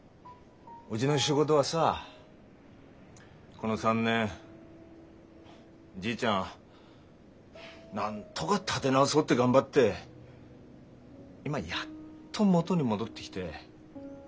この３年じいちゃんなんとか立て直そうって頑張って今やっと元に戻ってきて。